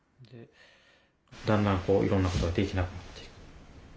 だんだんこういろんなことができなくなっていく。